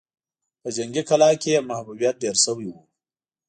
په جنګي کلا کې يې محبوبيت ډېر شوی و.